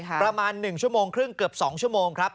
ประมาณ๑ชั่วโมงครึ่งเกือบ๒ชั่วโมงครับ